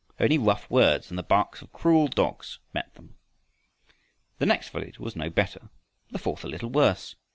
Only rough words and the barks of cruel dogs met them. The next village was no better, the fourth a little worse.